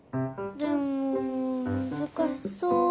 でもむずかしそう。